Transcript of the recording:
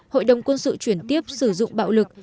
hội đồng quân sự chuyển tiếp sử dụng bạo lực